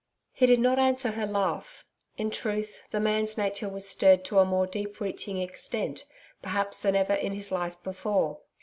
He did not answer her laugh. In truth, the man's nature was stirred to a more deep reaching extent perhaps than ever in his life before.